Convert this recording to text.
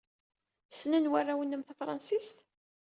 Ssnen warraw-nnem tafṛensist?